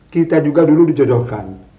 kita juga dulu dijodohkan